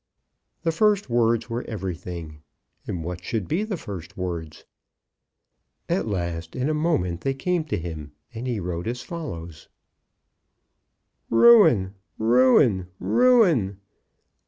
The first words were everything, and what should be the first words? At last, in a moment, they came to him, and he wrote as follows: RUIN! RUIN!! RUIN!!!